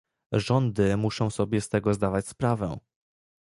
Rządy muszą sobie z tego zdawać sprawę